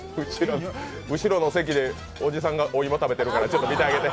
後ろの席でおじさんがお芋、食べてるから見てあげて。